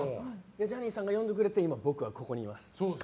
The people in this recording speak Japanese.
ジャニーさんが読んでくれて僕は今ここにいます。